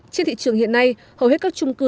trên thị trường hiện nay hầu hết các trung cư